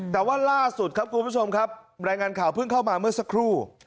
แต่ว่าล่าสุดครับคุณผู้ชมครับรายงานข่าวเพิ่งเข้ามาเมื่อสักครู่